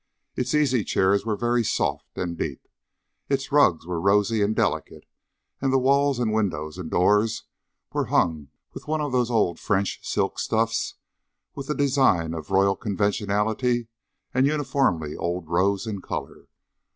Its easychairs were very soft and deep, its rugs were rosy and delicate, and the walls and windows and doors were hung with one of those old French silk stuffs with a design of royal conventionality and uniformly old rose in colour.